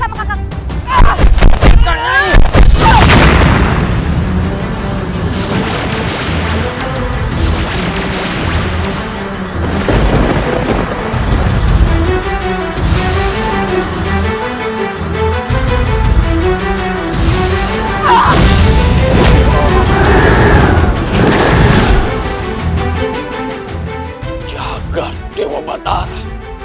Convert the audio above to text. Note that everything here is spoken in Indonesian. agar dewa batara